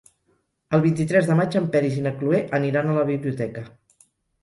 El vint-i-tres de maig en Peris i na Cloè aniran a la biblioteca.